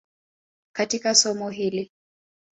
katika somo hili.